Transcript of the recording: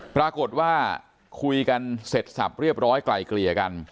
ปรากฏว่าคุยกันเสร็จสับเรียบร้อยไกลเกลี่ยกัน